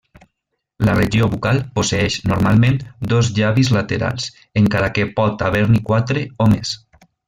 La regió bucal posseeix normalment dos llavis laterals, encara que pot haver-n'hi quatre o més.